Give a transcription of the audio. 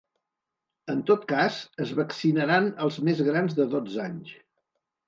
En tot cas, es vaccinaran els més grans de dotze anys.